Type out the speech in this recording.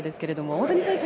大谷選手